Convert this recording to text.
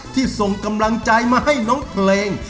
ส่งกำลังใจมาให้น้องเพลง